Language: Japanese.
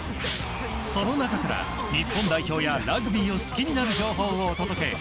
その中から日本代表やラグビーを好きになる情報をお届け。